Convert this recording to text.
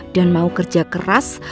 dan mau kerja keras